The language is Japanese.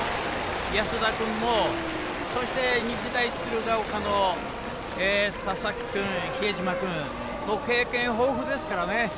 安田君も、そして日大鶴ヶ丘の佐々木君、比江島君経験豊富ですからね。